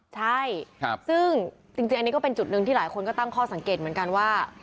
ใช่ซึ่งจริงอันนี้ก็เป็นจุดหนึ่งที่หลายคนก็ตั้งข้อสังเกตเหมือนกันว่า